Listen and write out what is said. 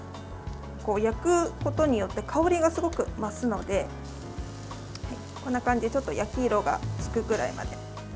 焼くことによって香りがすごく増すのでこんな感じで焼き色がつくくらいまで。